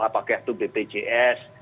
apakah itu bpjs